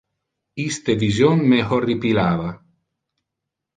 Iste vision me horripilava.